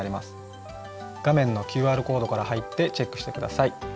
画面のＱＲコードから入ってチェックして下さい。